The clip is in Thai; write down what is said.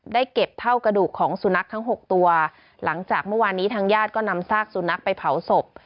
เก็บเท่ากระดูกของสุนัขทั้ง๖ตัวหลังจากเมื่อวานนี้ทางญาติก็นำซากสุนัขไปเผาศพ